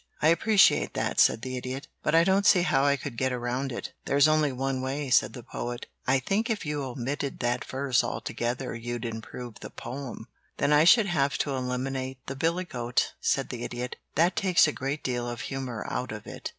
"I appreciate that," said the Idiot. "But I don't see how I could get around it." "There's only one way," said the Poet. "I think if you omitted that verse altogether you'd improve the poem." "Then I should have to eliminate the billy goat," said the Idiot. "That takes a great deal of humor out of it.